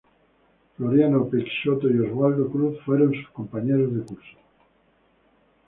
Floriano Peixoto y Oswaldo Cruz fueron sus compañeros de curso.